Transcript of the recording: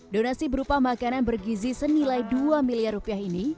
donasi berupa makanan bergizi senilai dua miliar rupiah ini